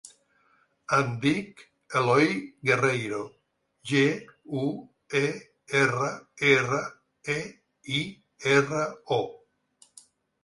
Em dic Eloy Guerreiro: ge, u, e, erra, erra, e, i, erra, o.